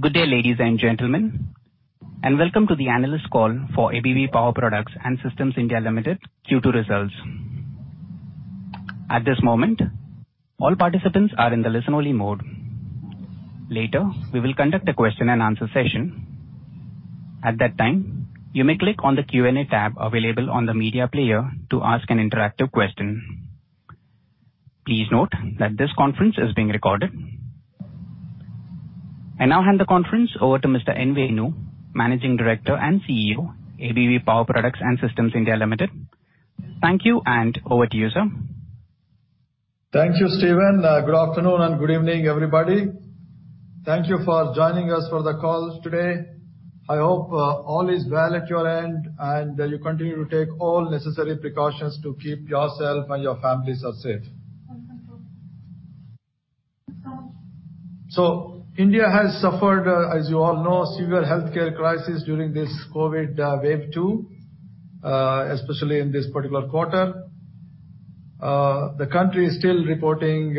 Good day, ladies and gentlemen, and welcome to the analyst call for ABB Power Products and Systems India Limited Q2 results. At this moment, all participants are in the listen only mode. Later, we will conduct a question and answer session. At that time, you may click on the Q&A tab available on the media player to ask an interactive question. Please note that this conference is being recorded. I now hand the conference over to Mr. Venu Nuguri, Managing Director and CEO, ABB Power Products and Systems India Limited. Thank you, and over to you, sir. Thank you, Steven. Good afternoon and good evening, everybody. Thank you for joining us for the call today. I hope all is well at your end, and you continue to take all necessary precautions to keep yourself and your families safe. India has suffered, as you all know, severe healthcare crisis during this COVID-19 wave two, especially in this particular quarter. The country is still reporting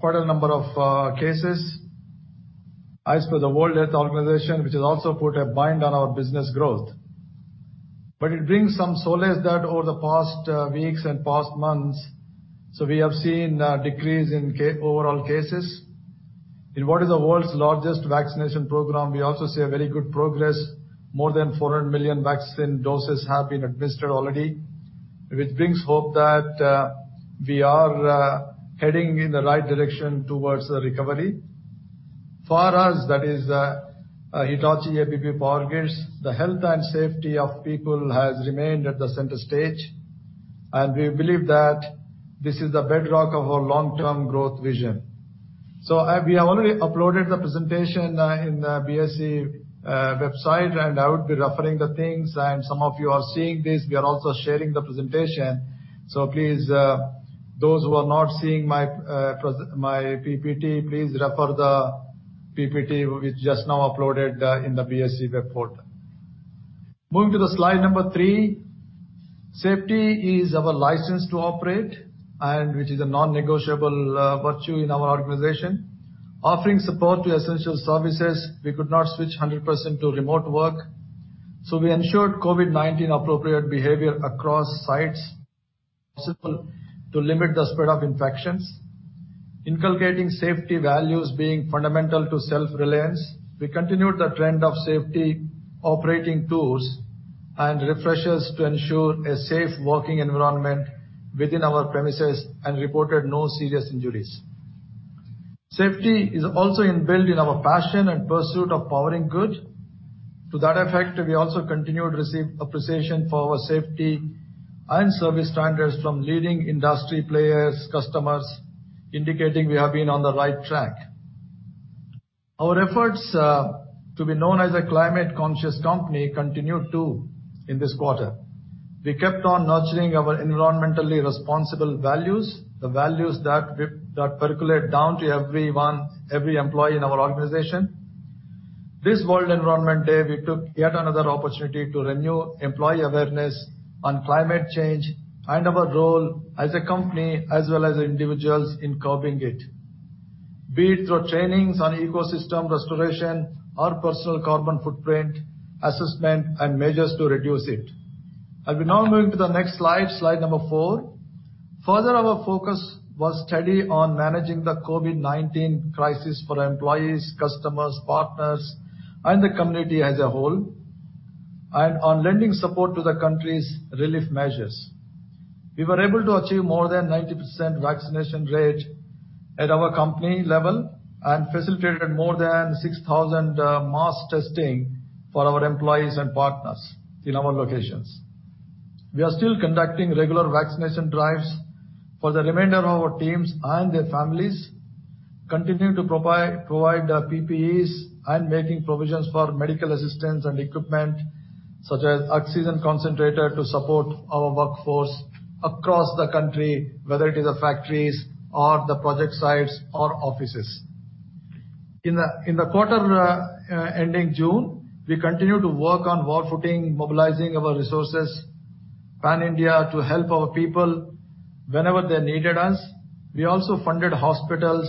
quite a number of cases as per the World Health Organization, which has also put a bind on our business growth. It brings some solace that over the past weeks and past months, we have seen a decrease in overall cases. In what is the world's largest vaccination program, we also see a very good progress. More than 400 million vaccine doses have been administered already, which brings hope that we are heading in the right direction towards the recovery. For us, that is Hitachi ABB Power Grids, the health and safety of people has remained at the center stage. We believe that this is the bedrock of our long-term growth vision. We have already uploaded the presentation in the BSE website. I would be referring the things. Some of you are seeing this. We are also sharing the presentation. Please, those who are not seeing my PPT, please refer the PPT which just now uploaded in theBSE web portal. Moving to the slide number three. Safety is our license to operate, which is a non-negotiable virtue in our organization. Offering support to essential services, we could not switch 100% to remote work. We ensured COVID-19 appropriate behavior across sites possible to limit the spread of infections. Inculcating safety values being fundamental to self-reliance, we continued the trend of safety operating tools and refreshers to ensure a safe working environment within our premises and reported no serious injuries. Safety is also inbuilt in our passion and pursuit of powering good. To that effect, we also continued to receive appreciation for our safety and service standards from leading industry players, customers, indicating we have been on the right track. Our efforts to be known as a climate conscious company continued too in this quarter. We kept on nurturing our environmentally responsible values, the values that percolate down to everyone, every employee in our organization. This World Environment Day, we took yet another opportunity to renew employee awareness on climate change and our role as a company, as well as individuals in curbing it, be it through trainings on ecosystem restoration or personal carbon footprint assessment and measures to reduce it. I'll be now moving to the next slide number four. Our focus was steady on managing the COVID-19 crisis for employees, customers, partners, and the community as a whole, and on lending support to the country's relief measures. We were able to achieve more than 90% vaccination rate at our company level and facilitated more than 6,000 mass testing for our employees and partners in our locations. We are still conducting regular vaccination drives for the remainder of our teams and their families, continuing to provide PPEs and making provisions for medical assistance and equipment, such as oxygen concentrator, to support our workforce across the country, whether it is the factories or the project sites or offices. In the quarter ending June, we continued to work on war footing, mobilizing our resources pan-India to help our people whenever they needed us. We also funded hospitals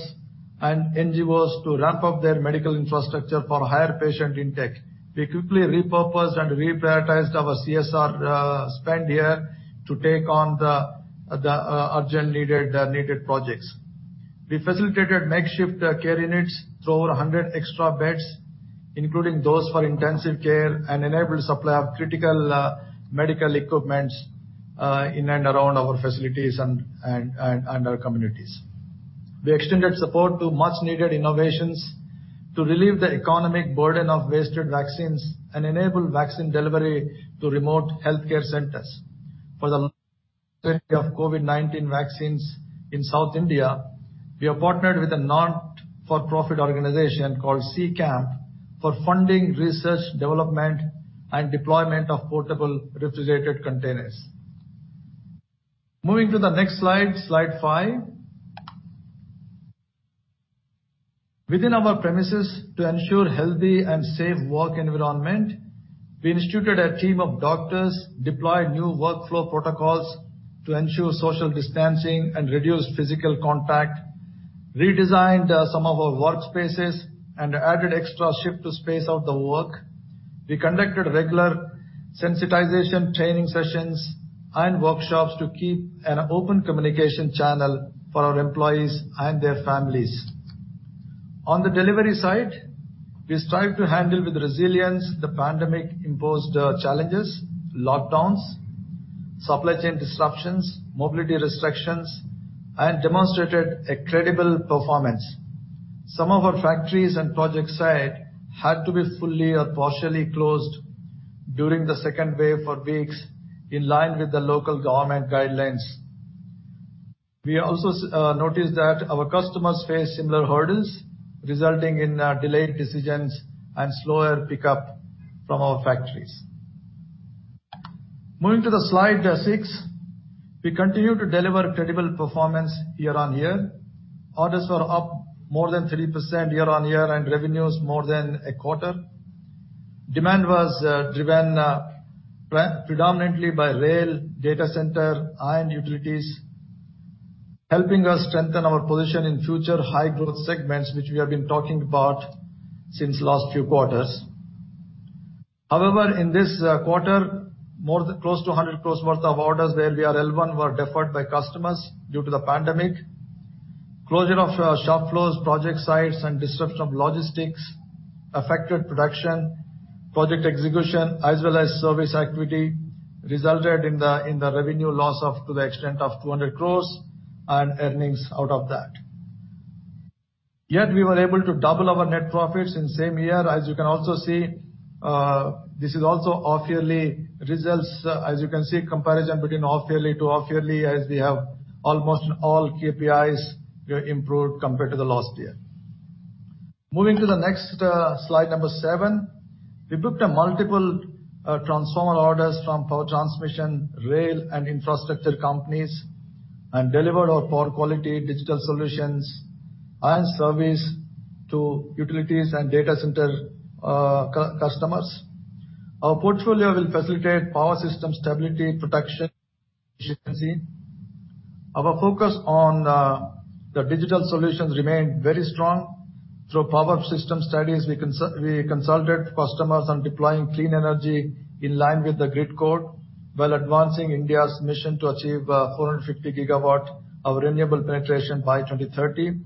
and NGOs to ramp up their medical infrastructure for higher patient intake. We quickly repurposed and reprioritized our CSR spend here to take on the urgent needed projects. We facilitated makeshift care units through over 100 extra beds, including those for intensive care, and enabled supply of critical medical equipments in and around our facilities and our communities. We extended support to much needed innovations to relieve the economic burden of wasted vaccines and enable vaccine delivery to remote healthcare centers. For the of COVID-19 vaccines in South India, we have partnered with a not-for-profit organization called C-Camp for funding research, development, and deployment of portable refrigerated containers. Moving to the next slide five. Within our premises, to ensure healthy and safe work environment, we instituted a team of doctors, deployed new workflow protocols to ensure social distancing and reduced physical contact, redesigned some of our workspaces, and added extra shift to space out the work. We conducted regular sensitization training sessions and workshops to keep an open communication channel for our employees and their families. On the delivery side, we strive to handle with resilience the pandemic imposed challenges, lockdowns, supply chain disruptions, mobility restrictions, and demonstrated a credible performance. Some of our factories and project site had to be fully or partially closed during the second wave for weeks in line with the local government guidelines. We also noticed that our customers face similar hurdles, resulting in delayed decisions and slower pickup from our factories. Moving to slide 6. We continue to deliver credible performance year-over-year. Orders were up more than three percent year-over-year and revenues more than a quarter. Demand was driven predominantly by rail, data center, iron utilities, helping us strengthen our position in future high growth segments, which we have been talking about since last few quarters. In this quarter, close to 100 crore worth of orders, the L1s were deferred by customers due to the pandemic. Closure of shop floors, project sites, and disruption of logistics affected production. Project execution as well as service equity resulted in the revenue loss to the extent of 200 crores and earnings out of that. We were able to double our net profits in the same year. You can also see, this is also off yearly results. You can see, comparison between off yearly to off yearly as we have almost all KPIs improved compared to the last year. Moving to the next slide, number seven. We booked multiple transformer orders from power transmission, rail, and infrastructure companies and delivered our power quality digital solutions and service to utilities and data center customers. Our portfolio will facilitate power system stability, protection, efficiency. Our focus on the digital solutions remained very strong. Through power system studies, we consulted customers on deploying clean energy in line with the grid code, while advancing India's mission to achieve 450 GW of renewable penetration by 2030.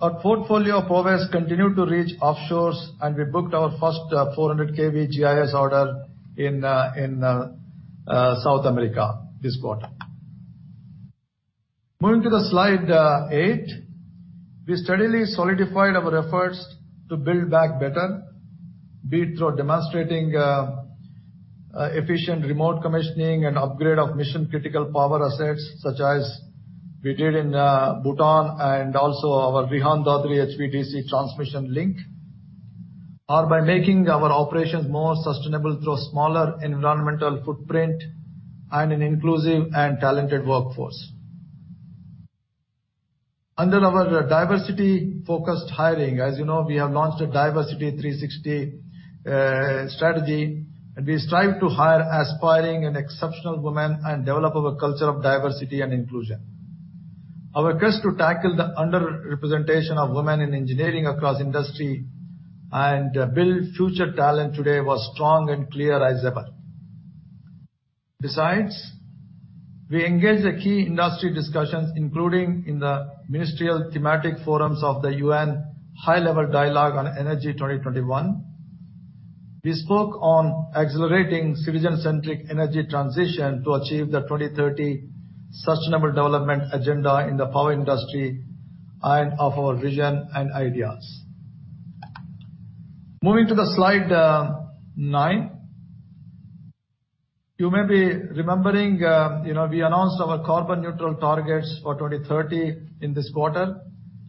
Our portfolio of O&Rs continued to reach offshores, and we booked our first 400 kV GIS order in South America this quarter. Moving to the slide eight. We steadily solidified our efforts to build back better, be it through demonstrating efficient remote commissioning and upgrade of mission critical power assets such as we did in Bhutan and also our Rihand-Dadri HVDC transmission link, or by making our operations more sustainable through smaller environmental footprint and an inclusive and talented workforce. Under our diversity focused hiring, as you know, we have launched a Diversity 360 strategy, and we strive to hire aspiring and exceptional women and develop our culture of diversity and inclusion. Our quest to tackle the underrepresentation of women in engineering across industry and build future talent today was strong and clear as ever. Besides, we engaged the key industry discussions, including in the ministerial thematic forums of the UN High-level Dialogue on Energy 2021. We spoke on accelerating citizen-centric energy transition to achieve the 2030 sustainable development agenda in the power industry and of our vision and ideas. Moving to the slide nine. You may be remembering, we announced our carbon neutral targets for 2030 in this quarter,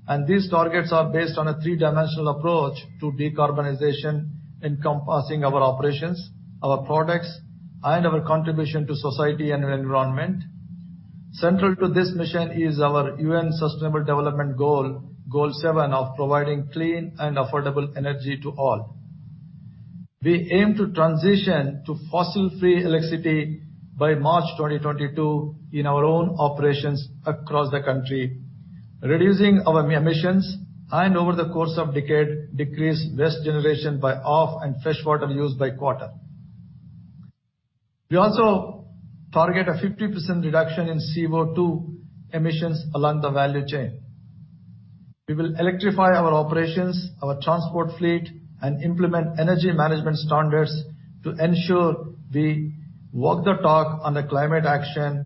and these targets are based on a three-dimensional approach to decarbonization encompassing our operations, our products, and our contribution to society and environment. Central to this mission is our UN Sustainable Development Goal seven of providing clean and affordable energy to all. We aim to transition to fossil-free electricity by March 2022 in our own operations across the country, reducing our emissions and over the course of decade, decrease waste generation by half and freshwater use by quarter. We also target a 50% reduction in CO2 emissions along the value chain. We will electrify our operations, our transport fleet, and implement energy management standards to ensure we walk the talk on the climate action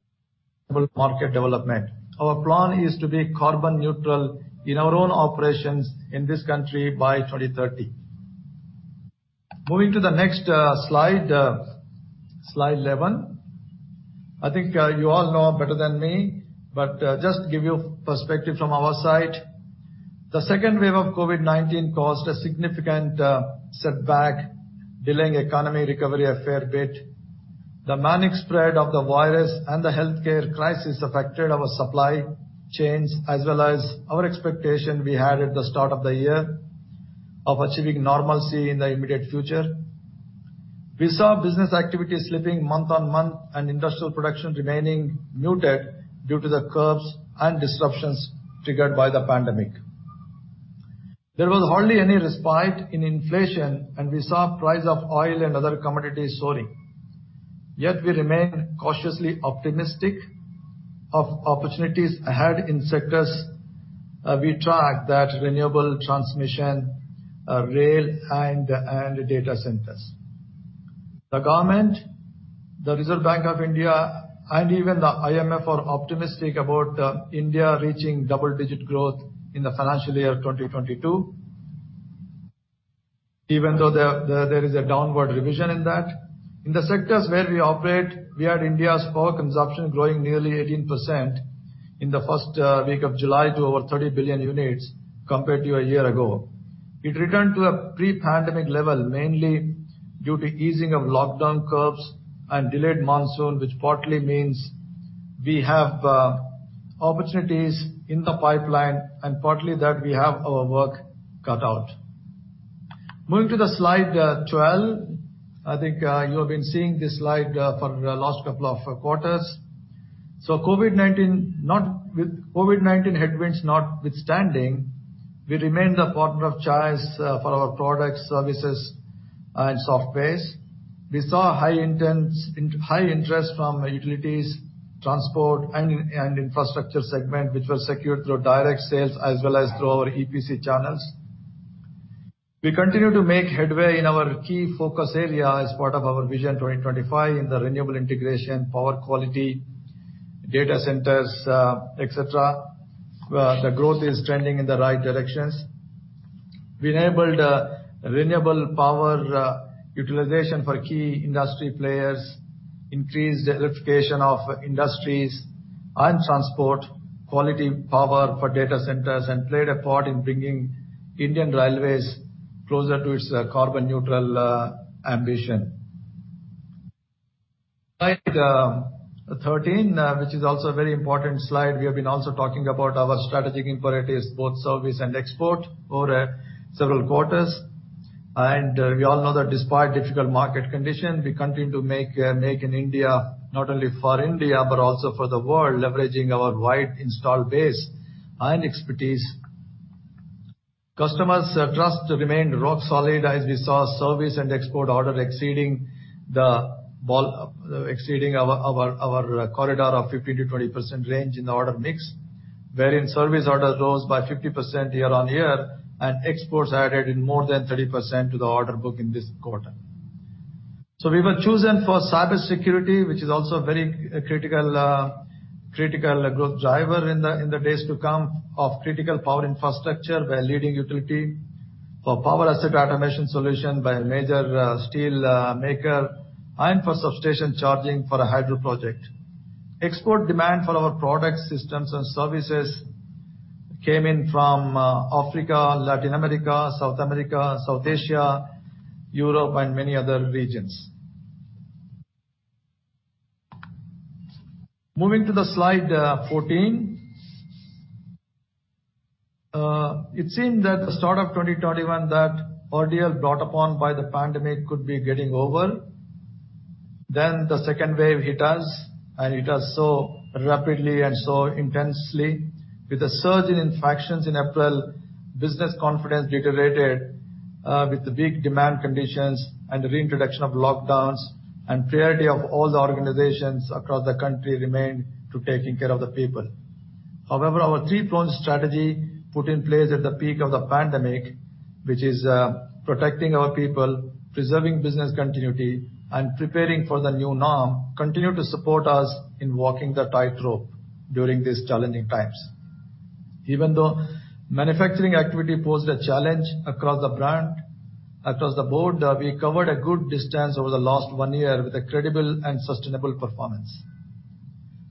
market development. Our plan is to be carbon neutral in our own operations in this country by 2030. Moving to the next slide 11. I think you all know better than me, just give you perspective from our side. The second wave of COVID-19 caused a significant setback, delaying economy recovery a fair bit. The manic spread of the virus and the healthcare crisis affected our supply chains as well as our expectation we had at the start of the year of achieving normalcy in the immediate future. We saw business activity slipping month on month and industrial production remaining muted due to the curbs and disruptions triggered by the pandemic. There was hardly any respite in inflation, and we saw price of oil and other commodities soaring. Yet we remain cautiously optimistic of opportunities ahead in sectors we track, that renewable transmission, rail, and data centers. The government, the Reserve Bank of India, and even the IMF are optimistic about India reaching double-digit growth in the financial year 2022, even though there is a downward revision in that. In the sectors where we operate, we had India's power consumption growing nearly 18% in the first week of July to over 30 billion units compared to a year ago. It returned to a pre-pandemic level, mainly due to easing of lockdown curves and delayed monsoon, which partly means we have opportunities in the pipeline and partly that we have our work cut out. Moving to the slide 12. I think you have been seeing this slide for the last couple of quarters. COVID-19 headwinds notwithstanding, we remain the partner of choice for our products, services, and softwares. We saw high interest from utilities, transport, and infrastructure segment, which was secured through direct sales as well as through our EPC channels. We continue to make headway in our key focus area as part of our Vision 2025 in the renewable integration, power quality, data centers, et cetera, where the growth is trending in the right directions. We enabled renewable power utilization for key industry players, increased electrification of industries and transport, quality power for data centers, and played a part in bringing Indian railways closer to its carbon neutral ambition. Slide 13, which is also a very important slide. We have been also talking about our strategic imperatives, both service and export, over several quarters. We all know that despite difficult market conditions, we continue to make in India, not only for India, but also for the world, leveraging our wide install base and expertise. Customers' trust remained rock solid as we saw service and export order exceeding our corridor of 15%-20% range in the order mix, wherein service orders rose by 50% year-on-year and exports added in more than 30% to the order book in this quarter. We were chosen for cybersecurity, which is also very critical growth driver in the days to come, of critical power infrastructure by a leading utility, for power asset automation solution by a major steel maker, and for substation charging for a hydro project. Export demand for our products, systems, and services came in from Africa, Latin America, South America, South Asia, Europe, and many other regions. Moving to the slide 14. It seemed at the start of 2021 that ordeal brought upon by the pandemic could be getting over. The second wave hit us, and hit us so rapidly and so intensely. With a surge in infections in April, business confidence deteriorated, with weak demand conditions and the reintroduction of lockdowns, priority of all the organizations across the country remained to taking care of the people. However, our three-pronged strategy put in place at the peak of the pandemic, which is protecting our people, preserving business continuity, and preparing for the new norm, continue to support us in walking the tightrope during these challenging times. Even though manufacturing activity posed a challenge across the board, we covered a good distance over the last one year with a credible and sustainable performance.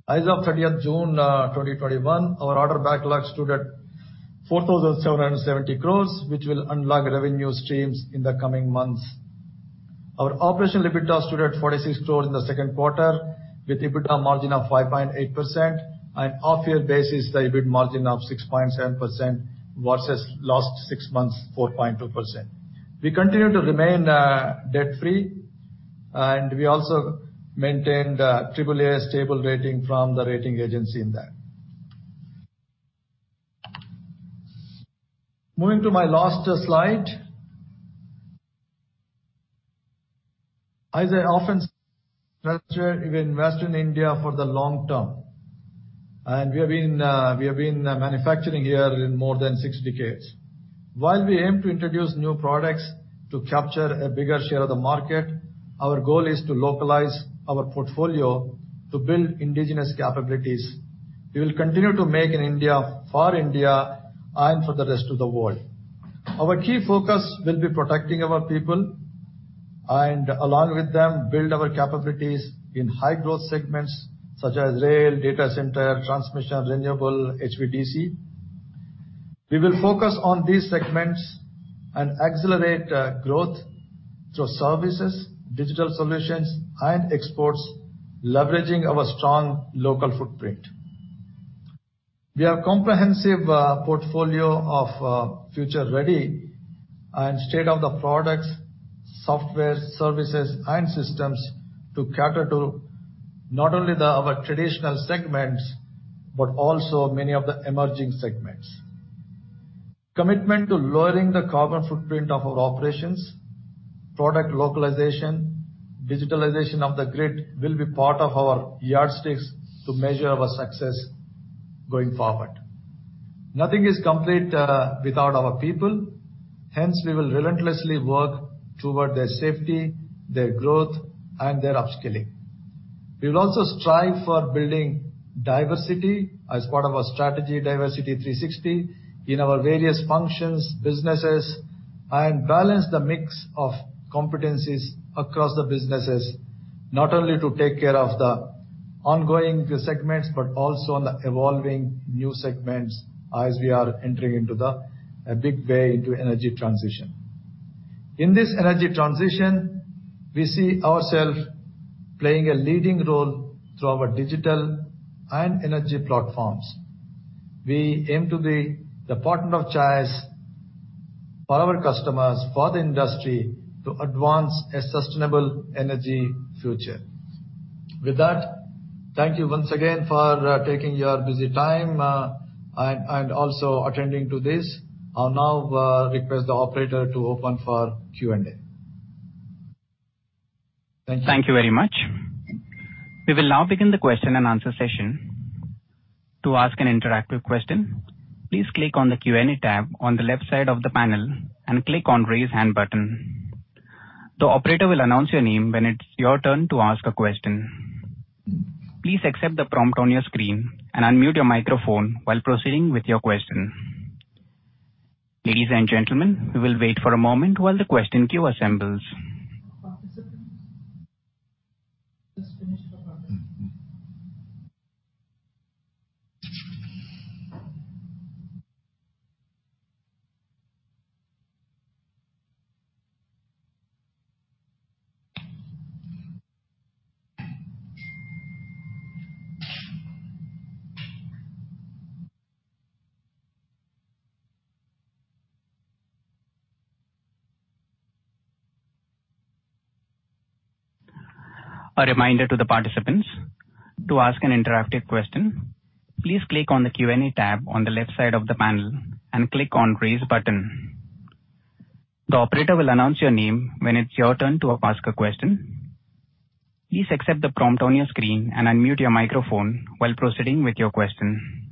As of June 30th 2021, our order backlog stood at 4,770 crores, which will unlock revenue streams in the coming months. Our operational EBITDA stood at 46 crores in the Q2 with EBITDA margin of 5.8%, and half-year basis, the EBIT margin of 6.7% versus last six months, 4.2%. We continue to remain debt-free, and we also maintained AAA stable rating from the rating agency in that. Moving to my last slide. I often say we invest in India for the long term, and we have been manufacturing here in more than six decades. While we aim to introduce new products to capture a bigger share of the market, our goal is to localize our portfolio to build indigenous capabilities. We will continue to make in India for India and for the rest of the world. Our key focus will be protecting our people. Along with them, build our capabilities in high growth segments such as rail, data center, transmission, renewable, HVDC. We will focus on these segments and accelerate growth through services, digital solutions, and exports, leveraging our strong local footprint. We have a comprehensive portfolio of future-ready and state-of-the-art products, software, services, and systems to cater to not only our traditional segments, but also many of the emerging segments. Commitment to lowering the carbon footprint of our operations, product localization, digitalization of the grid will be part of our yardsticks to measure our success going forward. Nothing is complete without our people, hence we will relentlessly work toward their safety, their growth, and their upskilling. We will also strive for building diversity as part of our strategy, Diversity 360, in our various functions, businesses, and balance the mix of competencies across the businesses, not only to take care of the ongoing segments, but also on the evolving new segments as we are entering into a big way into energy transition. In this energy transition, we see ourselves playing a leading role through our digital and energy platforms. We aim to be the partner of choice for our customers, for the industry, to advance a sustainable energy future. With that, thank you once again for taking your busy time, and also attending this. I'll now request the operator to open for Q&A. Thank you. Thank you very much. We will now begin the question and answer session. To ask an interactive question, please click on the Q&A tab on the left side of the panel and click on Raise Hand button. The operator will announce your name when it's your turn to ask a question. Please accept the prompt on your screen and unmute your microphone while proceeding with your question. Ladies and gentlemen, we will wait for a moment while the question queue assembles. A reminder to the participants, to ask an interactive question, please click on the Q&A tab on the left side of the panel and click on Raise button. The operator will announce your name when it's your turn to ask a question. Please accept the prompt on your screen and unmute your microphone while proceeding with your question.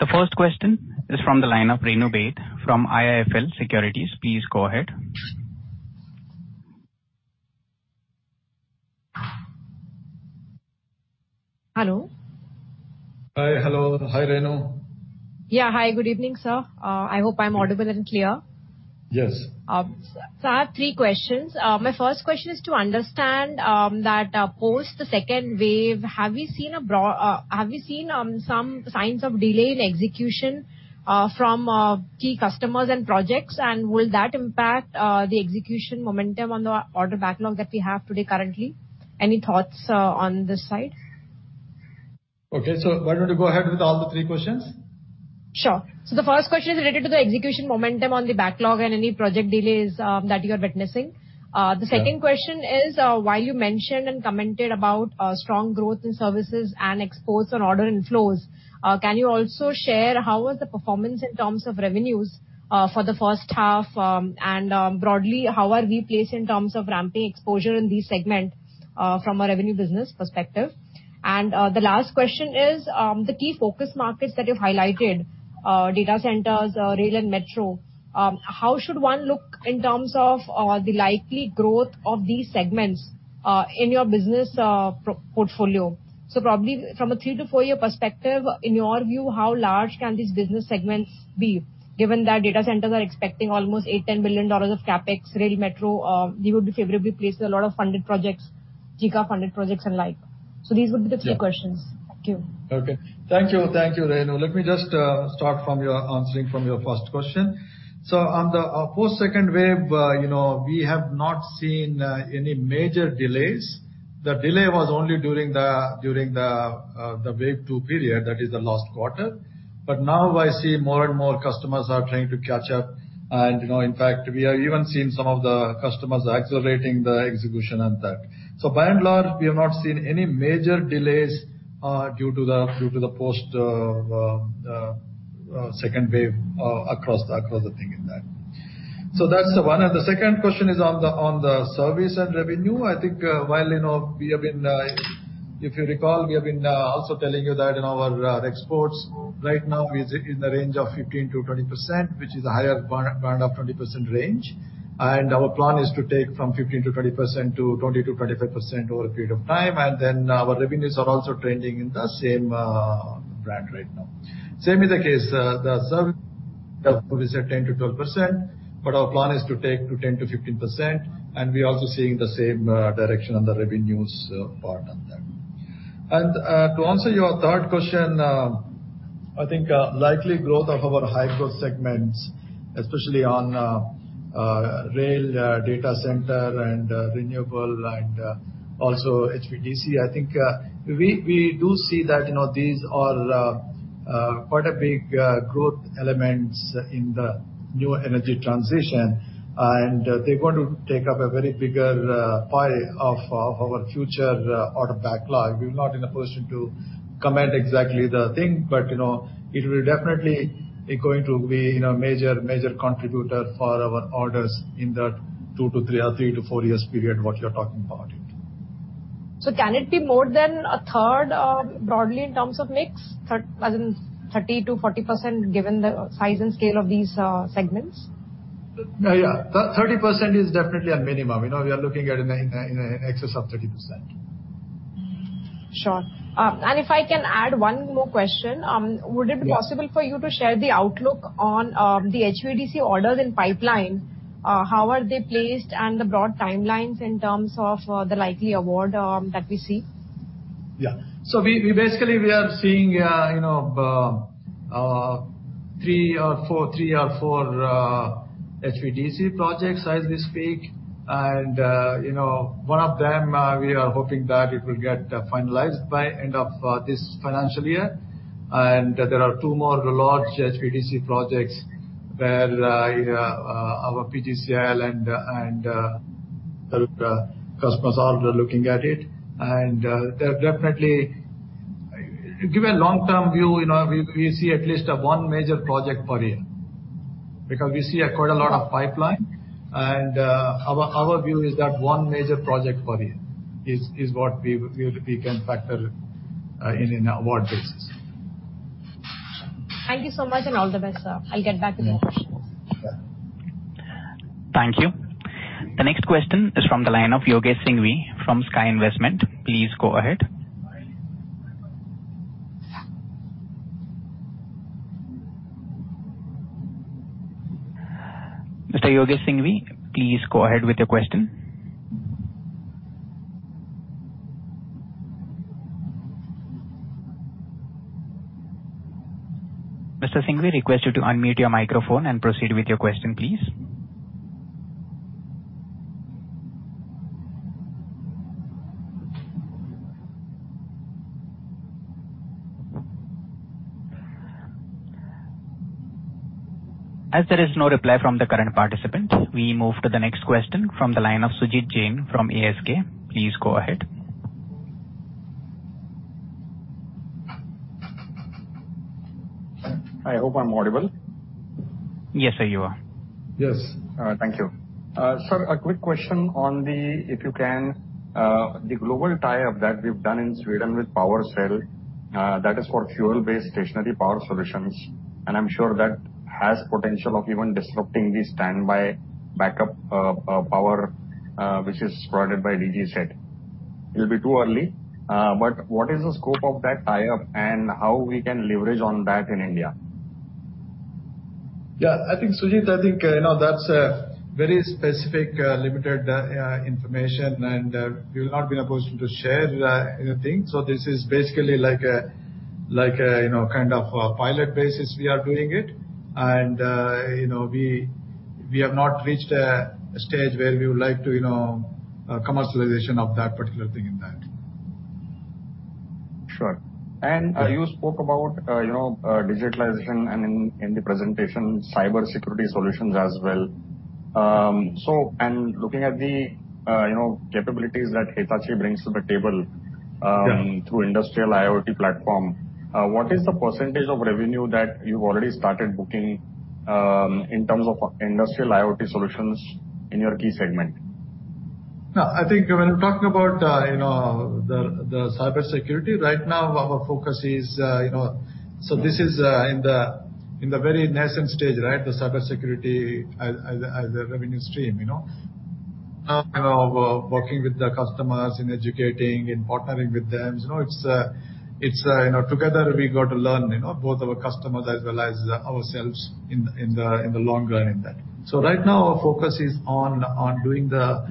The first question is from the line of Renu Baid from IIFL Securities. Please go ahead. Hello? Hi. Hello. Hi, Renu. Hi, good evening, sir. I hope I'm audible and clear. Yes. Sir, I have three questions. My first question is to understand that post the second wave, have you seen some signs of delay in execution from key customers and projects, and will that impact the execution momentum on the order backlog that we have today currently? Any thoughts on this side? Okay. Why don't you go ahead with all the three questions? Sure. The first question is related to the execution momentum on the backlog and any project delays that you're witnessing. Sure. The second question is, while you mentioned and commented about strong growth in services and exports on order inflows, can you also share how was the performance in terms of revenues for the first half, and broadly, how are we placed in terms of ramping exposure in these segments from a revenue business perspective? The last question is, the key focus markets that you've highlighted, data centers, rail, and metro, how should one look in terms of the likely growth of these segments in your business portfolio? Probably from a three to four year perspective, in your view, how large can these business segments be, given that data centers are expecting almost INR 8 billion-INR 10 billion of CapEx. Rail, metro, we would be favorably placed with a lot of funded projects, JICA funded projects, and like. These would be the three questions. Thank you. Okay. Thank you, Renu. Let me just start answering from your first question. On the post second wave, we have not seen any major delays. The delay was only during the wave two period, that is the last quarter. Now I see more and more customers are trying to catch up. In fact, we are even seeing some of the customers accelerating the execution on that. By and large, we have not seen any major delays due to the post second wave across the thing in that. That's one. The second question is on the service and revenue. I think, if you recall, we have been also telling you that in our exports right now is in the range of 15%-20%, which is a higher bound of 20% range. Our plan is to take from 15%-20% - 20%-25% over a period of time. Our revenues are also trending in the same band right now. Same is the case, the service is at 10%-12%, our plan is to take to 10%-15%, and we're also seeing the same direction on the revenues part on that. To answer your third question, I think likely growth of our high growth segments, especially on rail data center, and renewable, and also HVDC. I think we do see that these are quite a big growth elements in the new energy transition, they're going to take up a very bigger pie of our future order backlog. We're not in a position to comment exactly the thing, but it will definitely be going to be a major contributor for our orders in the two-three years or three-four years period what you're talking about it. Can it be more than a third, broadly, in terms of mix, as in 30%-40%, given the size and scale of these segments? Yeah. 30% is definitely a minimum. We are looking at in excess of 30%. Sure. If I can add one more question. Yeah. Would it be possible for you to share the outlook on the HVDC orders in pipeline? How are they placed and the broad timelines in terms of the likely award that we see? Yeah. Basically, we are seeing three or four HVDC projects as we speak. One of them we are hoping that it will get finalized by end of this financial year. There are two more large HVDC projects where our PGCIL and customers are looking at it. Given long-term view, we see at least one major project per year, because we see quite a lot of pipeline. Our view is that one major project per year is what we can factor in award basis. Thank you so much and all the best, sir. I'll get back with more questions. Yeah. Thank you. The next question is from the line of Yogesh Singhvi from SKA Investment. Please go ahead. Mr. Yogesh Singhvi, please go ahead with your question. Mr. Singhwi, request you to unmute your microphone and proceed with your question, please. As there is no reply from the current participant, we move to the next question from the line of Sumit Jain from ASK. Please go ahead. I hope I'm audible. Yes, sir, you are. Yes. Thank you. Sir, a quick question on the, if you can, the global tie-up that we've done in Sweden with PowerCell, that is for fuel-based stationary power solutions, and I'm sure that has potential of even disrupting the standby backup power, which is provided by DG set. What is the scope of that tie-up and how we can leverage on that in India? Yeah, Sumit, I think, that's a very specific, limited information, and we'll not be in a position to share anything. This is basically like a kind of pilot basis we are doing it. We have not reached a stage where we would like to commercialization of that particular thing in that. Sure. You spoke about digitalization and in the presentation, cybersecurity solutions as well. Yeah through industrial IoT platform, what is the percentage of revenue that you've already started booking, in terms of industrial IoT solutions in your key segment? No, I think when talking about the cybersecurity, right now our focus is this is in the very nascent stage, the cybersecurity as a revenue stream. We're working with the customers in educating, in partnering with them. Together we got to learn, both our customers as well as ourselves in the long run in that. Right now our focus is on doing the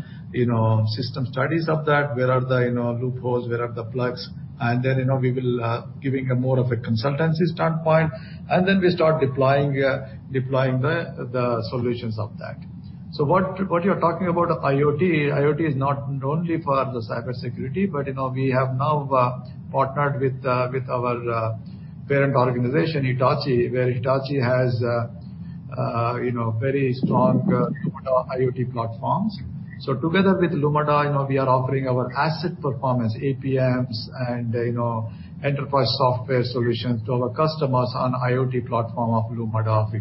system studies of that. Where are the loopholes, where are the plugs? We will giving a more of a consultancy standpoint, and then we start deploying the solutions of that. What you're talking about IoT is not only for the cybersecurity, but we have now partnered with our parent organization, Hitachi, where Hitachi has very strong Lumada IoT platforms. Together with Lumada, we are offering our asset performance, APMs, and enterprise software solutions to our customers on IoT platform of Lumada of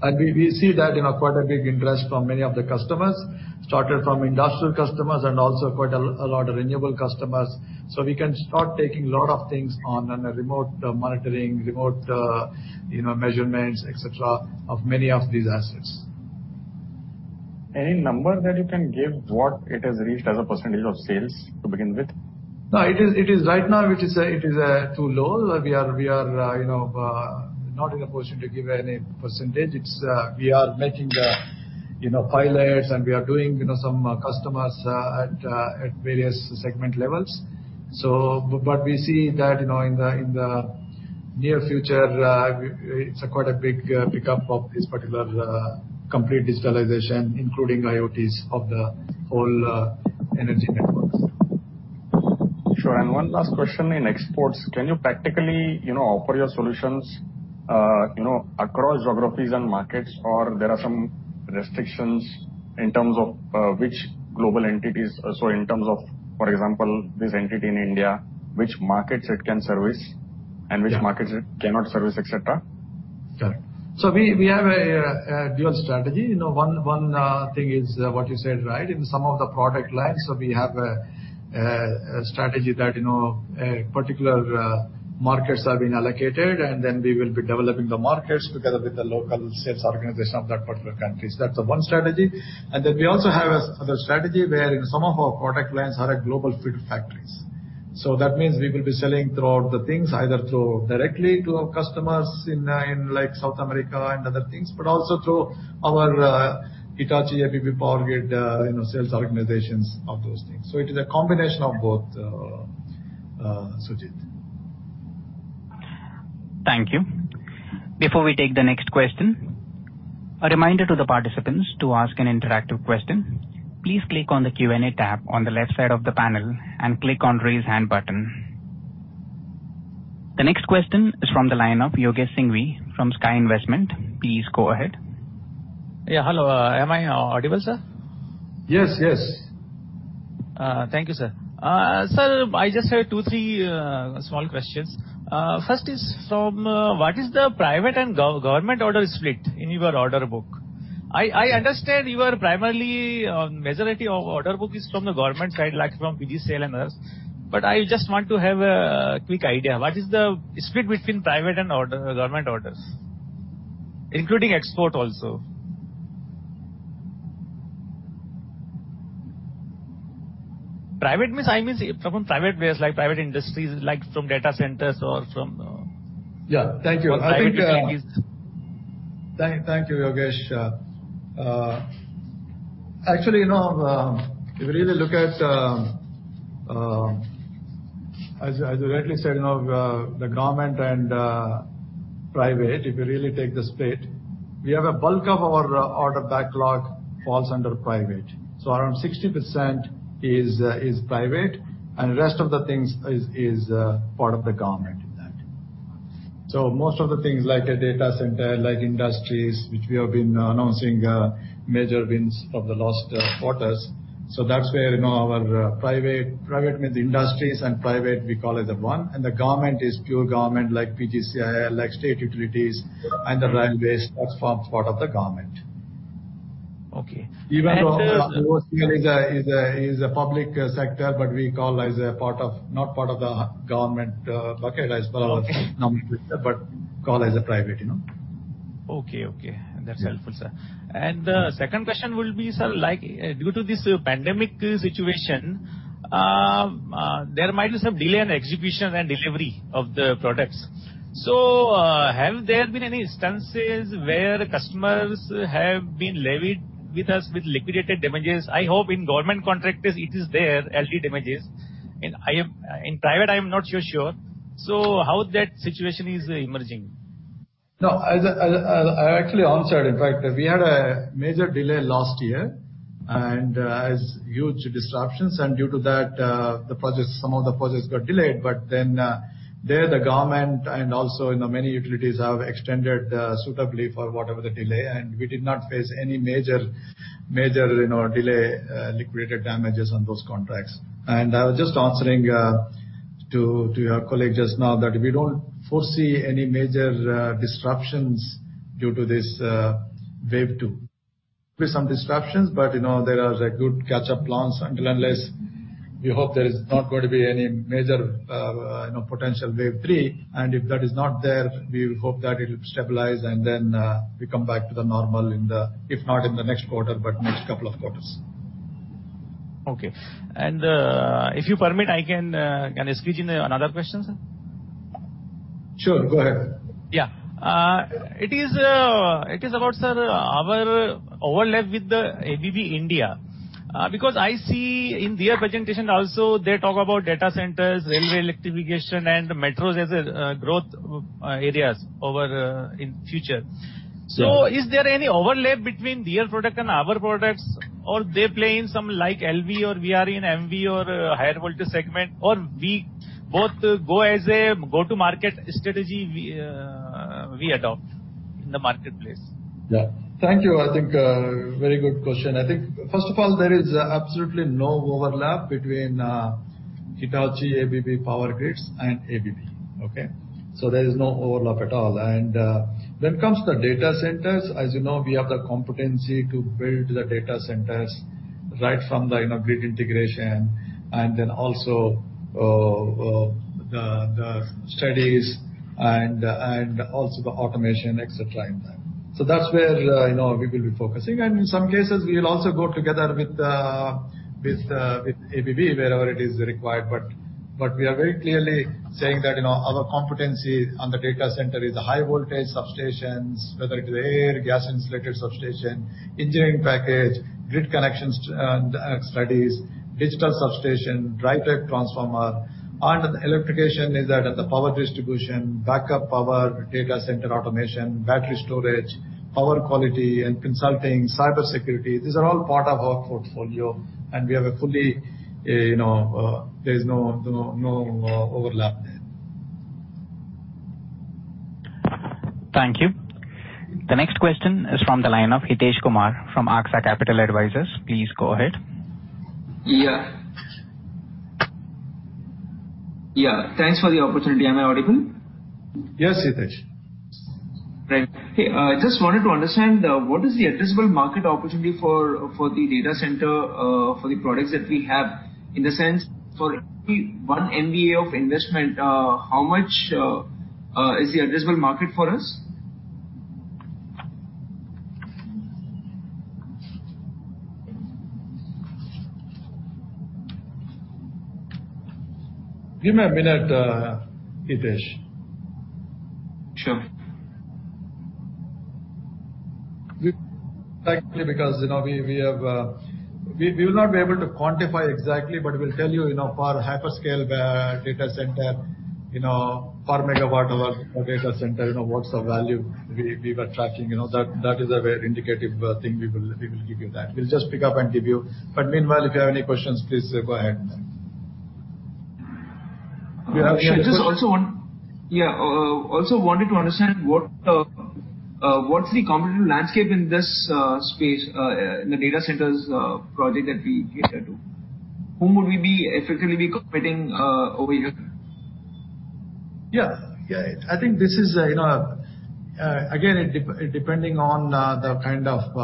Hitachi. We see that quite a big interest from many of the customers, started from industrial customers and also quite a lot of renewable customers. We can start taking a lot of things on a remote monitoring, remote measurements, et cetera, of many of these assets. Any number that you can give what it has reached as a percentage of sales to begin with? No. Right now it is too low. We are not in a position to give any percentage. We are making the pilots and we are doing some customers at various segment levels. We see that, in the near future, it's a quite a big pickup of this particular complete digitalization, including IoTs of the whole energy networks. Sure. One last question in exports, can you practically offer your solutions across geographies and markets, or there are some restrictions in terms of which global entities? In terms of, for example, this entity in India, which markets it can service and which markets it cannot service, et cetera? Sure. We have a dual strategy. One thing is what you said, right? In some of the product lines, we have a strategy that particular markets are being allocated, and then we will be developing the markets together with the local sales organization of that particular countries. That's the one strategy. We also have other strategy where in some of our product lines are at global field factories. That means we will be selling throughout the things, either through directly to our customers in South America and other things, but also through our Hitachi ABB Power Grids sales organizations of those things. It is a combination of both, Sujit. Thank you. Before we take the next question, a reminder to the participants to ask an interactive question. Please click on the Q&A tab on the left side of the panel and click on Raise Hand button. The next question is from the lineup, Yogesh Singhvi from SKA Investment. Please go ahead. Yeah. Hello. Am I audible, sir? Yes. Thank you, sir. Sir, I just have two, three small questions. First is, what is the private and government order split in your order book? I understand you are primarily, majority of order book is from the government side, like from PGCIL and others. I just want to have a quick idea, what is the split between private and government orders, including export also. Private means from private players, like private industries, like from data centers. Yeah. Thank you private entities. Thank you, Yogesh. Actually, if you really look at, as you rightly said, the government and private, if you really take the split, we have a bulk of our order backlog falls under private. Around 60% is private and rest of the things is part of the government in that. Most of the things like a data center, like industries, which we have been announcing major wins of the last quarters. That's where our private means industries and private we call it the one, and the government is pure government like PGCIL, like state utilities and the railways, that forms part of the government. Okay. Even though Rail is a public sector, but we call as a not part of the government bucket. Okay Call as a private. Okay. That's helpful, sir. The second question will be, sir, due to this pandemic situation, there might be some delay in exhibition and delivery of the products. Have there been any instances where customers have been levied with us with liquidated damages? I hope in government contractors it is there, LD damages. In private, I am not so sure. How that situation is emerging? No. I actually answered, in fact, we had a major delay last year and as huge disruptions, and due to that some of the projects got delayed, but then there the government and also many utilities have extended suitably for whatever the delay, and we did not face any major delay liquidated damages on those contracts. I was just answering to your colleague just now that we don't foresee any major disruptions due to this wave two. There'll be some disruptions, but there are good catch-up plans until and unless we hope there is not going to be any major potential wave three. If that is not there, we hope that it'll stabilize and then we come back to the normal, if not in the next quarter, but next couple of quarters. Okay. If you permit, can I squeeze in another question, sir? Sure, go ahead. Yeah. It is about, sir, our overlap with the ABB India. I see in their presentation also, they talk about data centers, railway electrification, and metros as growth areas in future. Yeah. Is there any overlap between their product and our products, or they play in some like LV or we are in MV or higher voltage segment, or both go as a go-to-market strategy we adopt in the marketplace? Thank you. I think very good question. I think first of all, there is absolutely no overlap between Hitachi ABB Power Grids and ABB. There is no overlap at all. When it comes to the data centers, as you know, we have the competency to build the data centers right from the grid integration and then also the studies and also the automation, et cetera, in that. That's where we will be focusing. In some cases, we will also go together with ABB wherever it is required. We are very clearly saying that our competency on the data center is the high voltage substations, whether it is air, gas-insulated substation, engineering package, grid connection studies, digital substation, dry-type transformer. Under the electrification is that the power distribution, backup power, data center automation, battery storage, power quality and consulting, cybersecurity, these are all part of our portfolio, and there's no overlap there. Thank you. The next question is from the line of Hitesh Kumar from Aksa Capital Advisors. Please go ahead. Yeah. Thanks for the opportunity. Am I audible? Yes, Hitesh. Right. Hey, I just wanted to understand, what is the addressable market opportunity for the data center, for the products that we have? In the sense for every one MW of investment, how much is the addressable market for us? Give me a minute, Hitesh. Sure. Exactly because we will not be able to quantify exactly, but we'll tell you for hyperscale data center, per megawatt of a data center, what's the value we were tracking. That is a very indicative thing. We will give you that. We'll just pick up and give you. Meanwhile, if you have any questions, please go ahead. Sure. Just also wanted to understand what's the competitive landscape in this space, in the data centers project that we get to do? Whom would we effectively be competing over here? Yeah. I think this is, again, depending on the kind of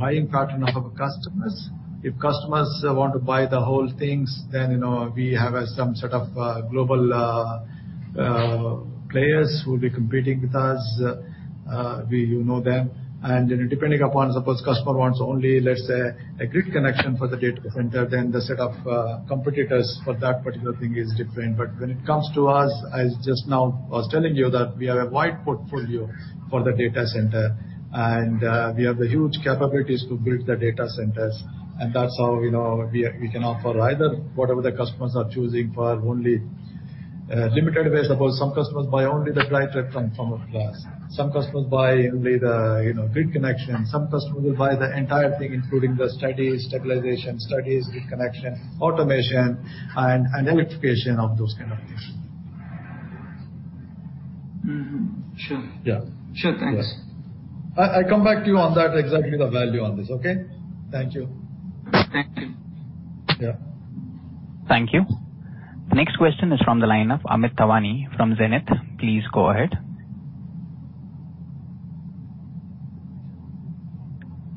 buying pattern of our customers. If customers want to buy the whole things, then we have some sort of global players who will be competing with us. You know them. Depending upon, suppose customer wants only, let's say, a grid connection for the data center, then the set of competitors for that particular thing is different. When it comes to us, as just now I was telling you that we have a wide portfolio for the data center, and we have the huge capabilities to build the data centers, and that's how we can offer either whatever the customers are choosing for only limited ways. Suppose some customers buy only the dry-type transformer plus, some customers buy only the grid connection, some customers will buy the entire thing, including the studies, stabilization studies, grid connection, automation, and electrification of those kind of things. Mm-hmm. Sure. Yeah. Sure. Thanks. I come back to you on that exactly the value on this, okay? Thank you. Thank you. Yeah. Thank you. Next question is from the line of Amit Tawani from Zenith. Please go ahead.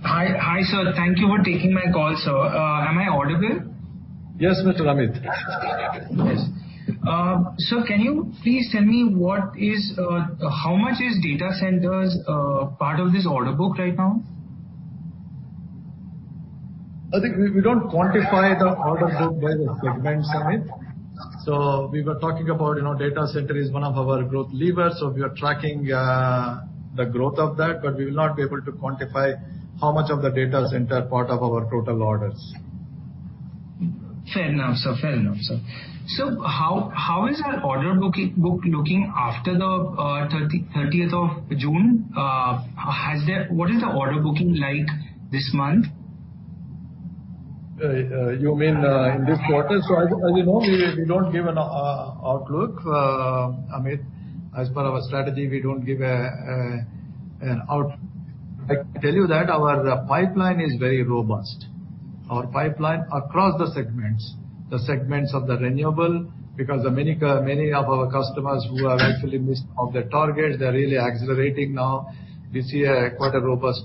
Hi, sir. Thank you for taking my call, sir. Am I audible? Yes, Mr. Amit. Yes. Sir, can you please tell me how much is data centers part of this order book right now? I think we don't quantify the order book by the segments, Amit. We were talking about data center is one of our growth levers. We are tracking the growth of that, but we will not be able to quantify how much of the data center part of our total orders. Fair enough, sir. How is our order book looking after the June 30th? What is the order booking like this month? You mean, in this quarter? As you know, we don't give an outlook, Amit. As per our strategy, we don't give an outlook. I can tell you that our pipeline is very robust. Our pipeline across the segments, the segments of the renewable, because many of our customers who have actually missed some of their targets, they're really accelerating now. We see a quite a robust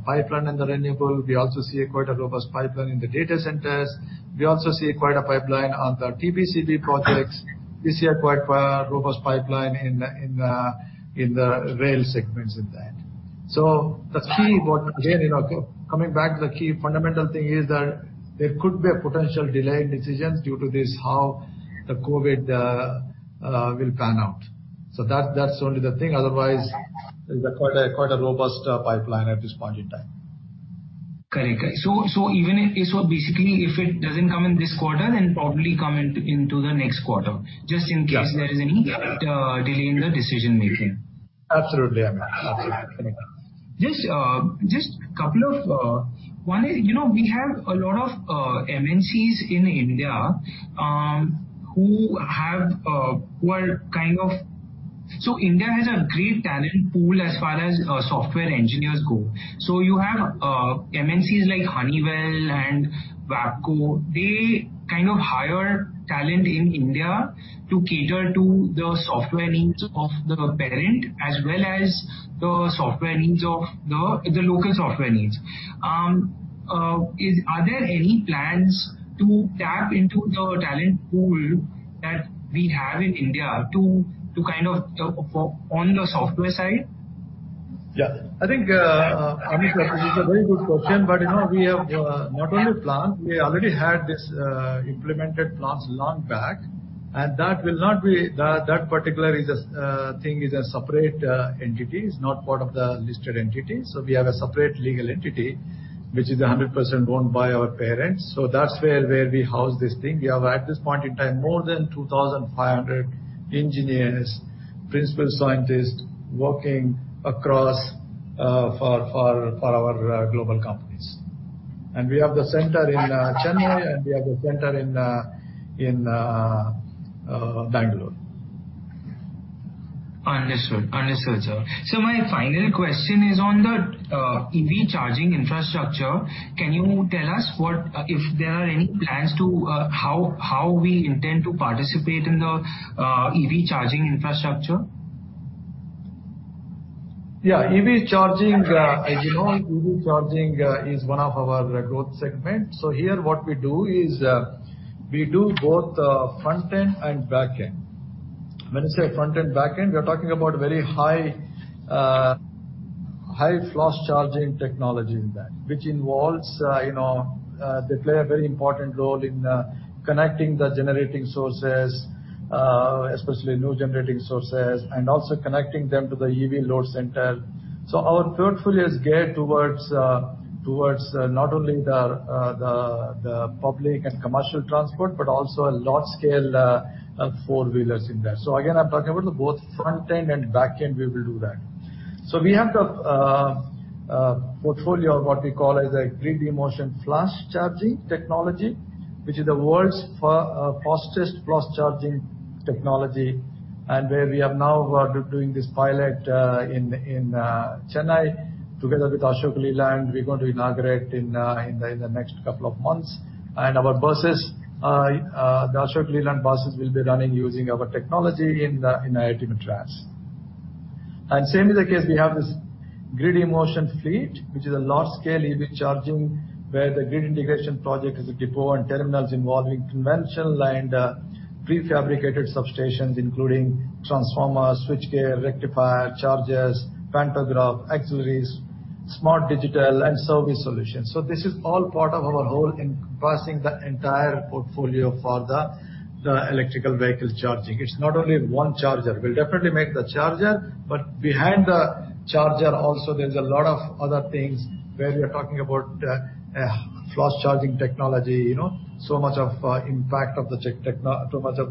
pipeline in the renewable. We also see quite a robust pipeline in the data centers. We also see quite a pipeline on the TBCB projects. We see a quite robust pipeline in the rail segments in that. Again, coming back, the key fundamental thing is that there could be a potential delay in decisions due to this how the COVID will pan out. That's only the thing. Otherwise, there's quite a robust pipeline at this point in time. Correct. Basically, if it doesn't come in this quarter, then probably come into the next quarter. Just in case there is any delay in the decision-making. Absolutely, Amit. Absolutely. India has a great talent pool as far as software engineers go. You have MNCs like Honeywell and WABCO. They hire talent in India to cater to the software needs of the parent, as well as the local software needs. Are there any plans to tap into the talent pool that we have in India to, on the software side? Yeah. I think, Amit, that is a very good question. We have not only planned, we already had this implemented plans long back, and that particular thing is a separate entity. It's not part of the listed entity. We have a separate legal entity, which is 100% owned by our parents. That's where we house this thing. We have, at this point in time, more than 2,500 engineers, principal scientists working across for our global companies. We have the center in Chennai and we have the center in Bangalore. Understood, sir. My final question is on the EV charging infrastructure. Can you tell us if there are any plans, how we intend to participate in the EV charging infrastructure? EV charging, as you know, EV charging is one of our growth segments. Here what we do is, we do both front-end and back-end. When I say front-end, back-end, we are talking about very high flash charging technology in that, which involves, they play a very important role in connecting the generating sources, especially new generating sources, and also connecting them to the EV load center. Our portfolio is geared towards not only the public and commercial transport, but also a large scale four-wheelers in that. Again, I'm talking about the both front-end and back-end, we will do that. We have the portfolio of what we call as a Grid-eMotion flash charging technology, which is the world's fastest flash charging technology, and where we are now doing this pilot in Chennai together with Ashok Leyland. We're going to inaugurate in the next couple of months. Our buses, the Ashok Leyland buses, will be running using our technology in IIT Madras. Same is the case, we have this Grid-eMotion fleet, which is a large-scale EV charging, where the grid integration project is a depot and terminals involving conventional and prefabricated substations, including transformers, switchgear, rectifier, chargers, pantograph, auxiliaries, smart digital and service solutions. This is all part of our whole encompassing the entire portfolio for the electrical vehicle charging. It's not only one charger. We'll definitely make the charger, but behind the charger also, there's a lot of other things where we are talking about flash charging technology. Much of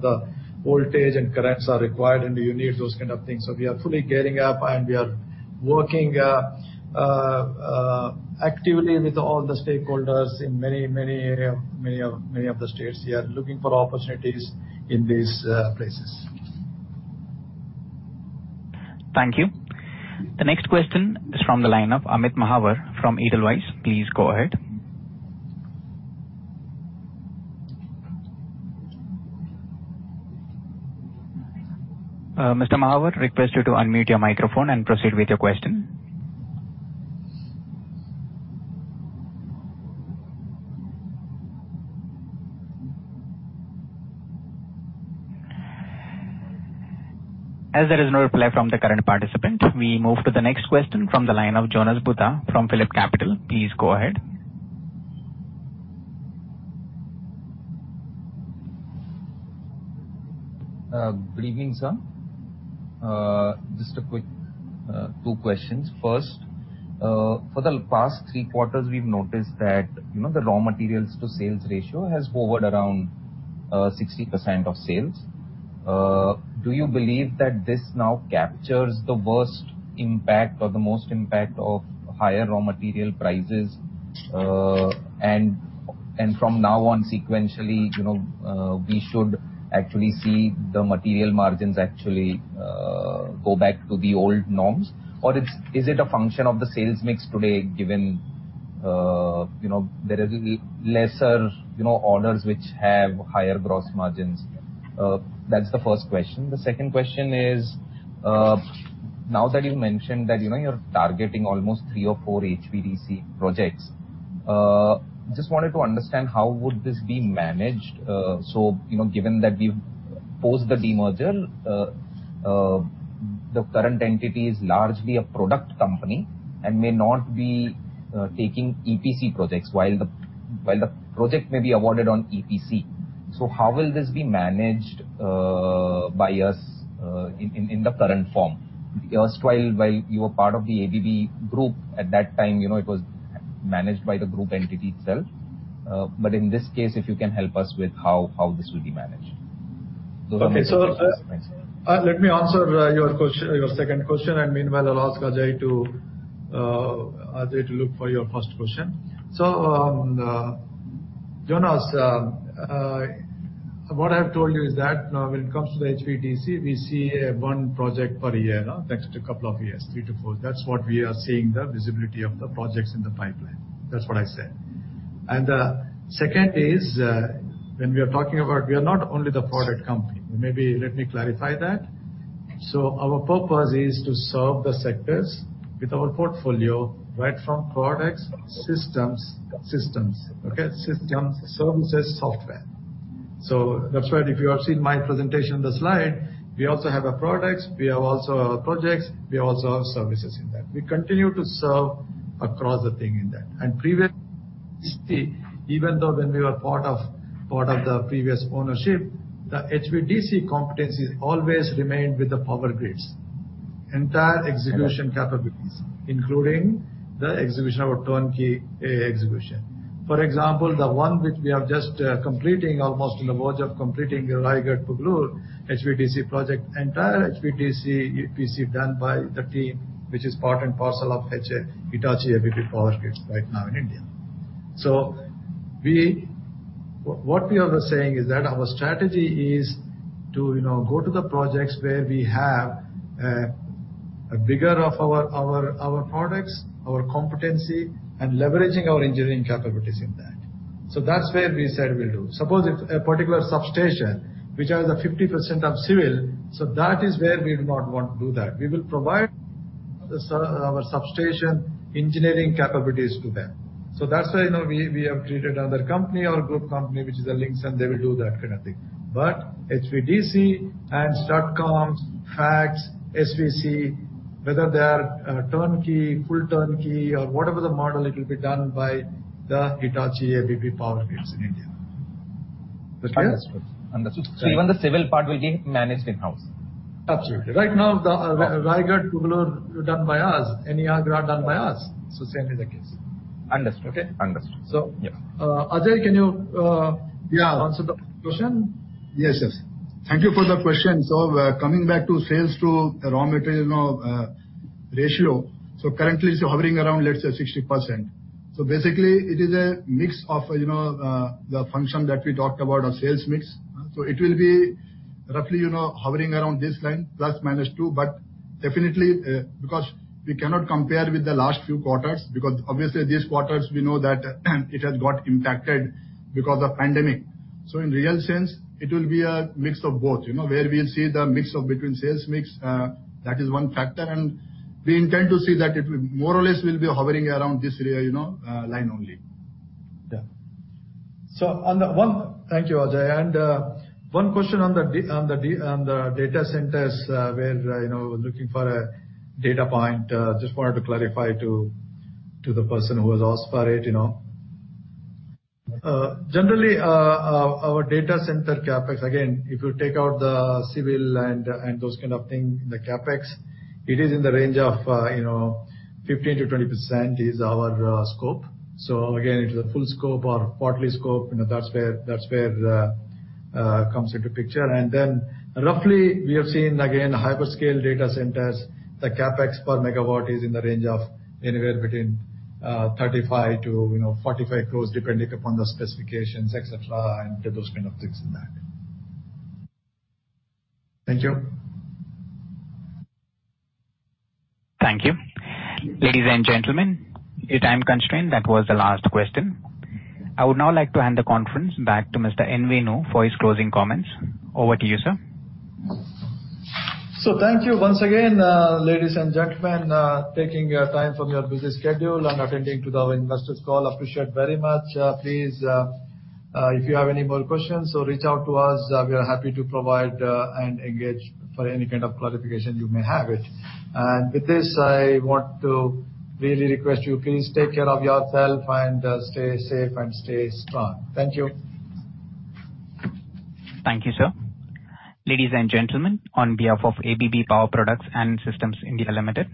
the voltage and currents are required, and you need those kind of things. We are fully gearing up, and we are working actively with all the stakeholders in many of the states. We are looking for opportunities in these places. Thank you. The next question is from the line of Amit Mahawar from Edelweiss. Please go ahead. Mr. Mahawar, request you to unmute your microphone and proceed with your question. As there is no reply from the current participant, we move to the next question from the line of Jonas Bhutta from PhillipCapital. Please go ahead. Good evening, sir. Just a quick two questions. First, for the past Q3, we've noticed that the raw materials to sales ratio has hovered around 60% of sales. Do you believe that this now captures the worst impact or the most impact of higher raw material prices? From now on, sequentially, we should actually see the material margins actually go back to the old norms? Is it a function of the sales mix today, given there is lesser orders which have higher gross margins? That's the first question. The second question is, now that you mentioned that you're targeting almost three or four HVDC projects, just wanted to understand how would this be managed. Given that we've post the demerger, the current entity is largely a product company and may not be taking EPC projects while the project may be awarded on EPC. How will this be managed by us, in the current form? Erstwhile, while you were part of the ABB group, at that time, it was managed by the group entity itself. In this case, if you can help us with how this will be managed. Okay. Let me answer your second question, and meanwhile, I'll ask Ajay to look for your first question. Jonas, what I've told you is that when it comes to HVDC, we see one project per year now next to couple of years, three to four. That's what we are seeing the visibility of the projects in the pipeline. That's what I said. Second is, when we are talking about We are not only the product company. Maybe let me clarify that. Our purpose is to serve the sectors with our portfolio right from products, systems, services, software. That's why if you have seen my presentation on the slide, we also have our products, we have also our projects, we also have services in that. We continue to serve across the thing in that. Previously, even though when we were part of the previous ownership, the HVDC competencies always remained with the Power Grids. Entire execution capabilities, including our turnkey execution. For example, the one which we are just completing, almost in the verge of completing Raigarh, Pugalur HVDC project, entire HVDC EPC done by the team, which is part and parcel of Hitachi ABB Power Grids right now in India. What we are saying is that our strategy is to go to the projects where we have a bigger of our products, our competency, and leveraging our engineering capabilities in that. That's where we said we'll do. Suppose a particular substation, which has a 50% of civil, that is where we do not want to do that. We will provide our substation engineering capabilities to them. That's why, we have treated another company, our group company, which is a Linxon, and they will do that kind of thing. HVDC and STATCOMs, FACTS, SVC, whether they are turnkey, full turnkey, or whatever the model, it will be done by the Hitachi ABB Power Grids in India. Is that clear? Understood. Even the civil part will be managed in-house? Absolutely. Right now, Raigarh, Pugalur done by us, and Agra done by us. Same is the case. Understood. Okay. Understood. So- Yeah. Ajay, can you. Yeah answer the question? Yes. Thank you for the question. Coming back to sales to raw material, ratio. Currently it's hovering around, let's say, 60%. Basically, it is a mix of the function that we talked about, our sales mix. It will be roughly hovering around this line, plus, minus two. Definitely, because we cannot compare with the last few quarters, because obviously these quarters we know that it has got impacted because of pandemic. In real sense, it will be a mix of both, where we'll see the mix of between sales mix, that is one factor, and we intend to see that it will more or less will be hovering around this line only. Yeah. Thank you, Ajay. One question on the data centers, we are looking for a data point. Just wanted to clarify to the person who has asked for it. Generally, our data center CapEx, again, if you take out the civil and those kind of thing, the CapEx, it is in the range of 15%-20% is our scope. Again, it's a full scope or partly scope, that's where comes into picture. Roughly, we have seen, again, hyperscale data centers, the CapEx per MW is in the range of anywhere between 35-45 crores, depending upon the specifications, et cetera, and those kind of things in that. Thank you. Thank you. Ladies and gentlemen, we're time constrained. That was the last question. I would now like to hand the conference back to Mr. N. Venu for his closing comments. Over to you, sir. Thank you once again, ladies and gentlemen, taking time from your busy schedule and attending to the investors call. Appreciate very much. Please, if you have any more questions, reach out to us. We are happy to provide, and engage for any kind of clarification you may have it. With this, I want to really request you, please take care of yourself and stay safe and stay strong. Thank you. Thank you, sir. Ladies and gentlemen, on behalf of ABB Power Products and Systems India Limited,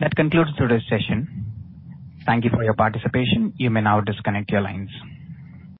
that concludes today's session. Thank you for your participation. You may now disconnect your lines.